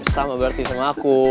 sama berarti sama aku